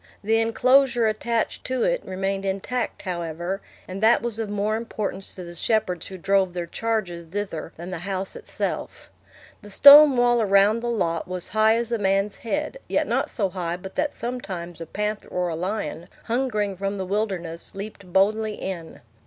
The enclosure attached to it remained intact, however, and that was of more importance to the shepherds who drove their charges thither than the house itself. The stone wall around the lot was high as a man's head, yet not so high but that sometimes a panther or a lion, hungering from the wilderness, leaped boldly in.